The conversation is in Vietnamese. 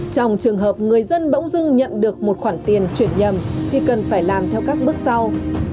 trong trường hợp người dân bỗng dưng nhận được một khoản tiền chuyển nhầm thì cần phải làm theo các bước sau